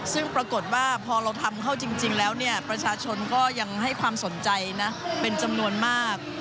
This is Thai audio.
ซึ่งปรากฏว่าพอเราทำเข้าจริงแล้วเนี่ยประชาชนก็ยังให้ความสนใจนะเป็นจำนวนมาก